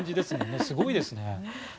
すごいですね。